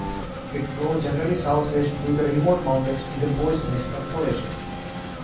It flows generally southwest through the remote mountains in the Boise National Forest.